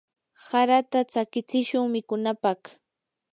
harata tsakichishun mikunapaq.